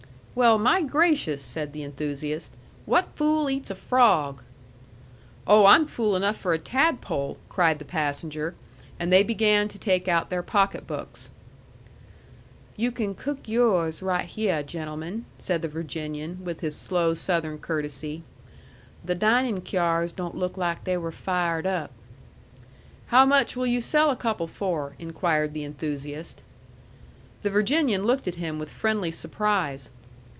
"Well, my gracious!" said the enthusiast. "What fool eats a frog?" "Oh, I'm fool enough for a tadpole!" cried the passenger. And they began to take out their pocket books. "You can cook yours right hyeh, gentlemen," said the Virginian, with his slow Southern courtesy. "The dining cyars don't look like they were fired up." "How much will you sell a couple for?" inquired the enthusiast. The Virginian looked at him with friendly surprise.